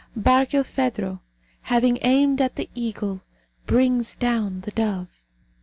BARKILPHEDRO, HAVING AIMED AT THE EAGLE, BRINGS DOWN THE DOVE.